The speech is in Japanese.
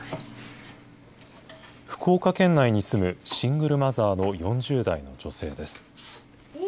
福岡県内に住むシングルマザーの４０代の女性です。